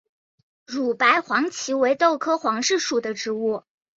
乳白黄耆为豆科黄芪属的植物。